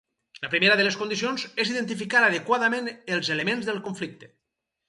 La primera de les condicions és identificar adequadament els elements del conflicte.